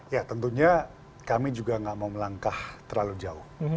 ya tentunya kami juga nggak mau melangkah terlalu jauh